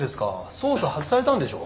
捜査外されたんでしょ？